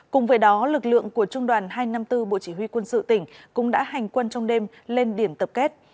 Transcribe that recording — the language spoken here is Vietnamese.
cùng với đó lực lượng của trung đoàn hai trăm năm mươi bốn bộ chỉ huy quân sự tỉnh cũng đã hành quân trong đêm lên điểm tập kết